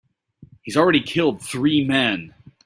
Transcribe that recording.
He's already killed three men.